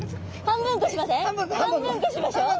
半分こしましょう。